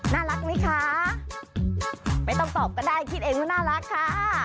น่ารักไหมคะไม่ต้องตอบก็ได้คิดเองว่าน่ารักค่ะ